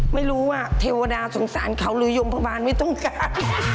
ไม่รู้ว่าเทวดาสงสารเขาหรือยมพบาลไม่ต้องการ